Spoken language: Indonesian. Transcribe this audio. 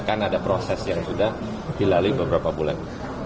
kan ada proses yang sudah dilalui beberapa bulan